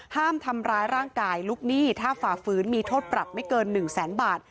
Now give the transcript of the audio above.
ห้ามทำร้ายร่างกายลูกหนี้ถ้าฝ่าฝืนมีโทษปรับไม่เกิน๑แสนบาท